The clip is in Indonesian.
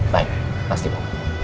baik pasti pak